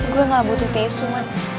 gue gak butuh tesu man